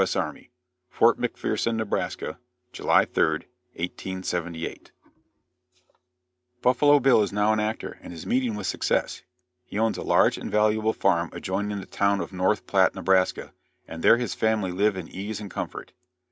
S. Army. FORT McPHERSON, NEBRASKA, July 3d, 1878 Buffalo Bill is now an actor, and is meeting with success. He owns a large and valuable farm adjoining the town of North Platte, Nebraska, and there his family live in ease and comfort.